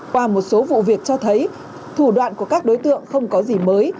qua một số vụ việc cho thấy thủ đoạn của các đối tượng không có gì mới